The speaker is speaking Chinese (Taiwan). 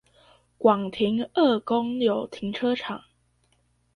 廣停二公有停車場